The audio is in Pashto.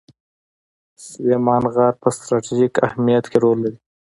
سلیمان غر په ستراتیژیک اهمیت کې رول لري.